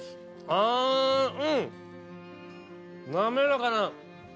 あうん滑らかな。